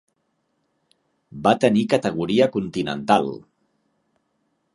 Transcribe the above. Va tenir categoria continental.